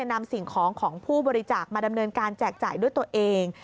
นำสิ่งของของผู้บริจาคมาดำเนินการแจกจ่ายด้วยตัวเอง